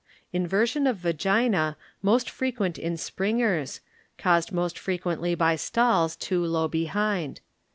iNVEHsroN OF Vagina most frequent in springers, caused most frequently by stalls too low behind.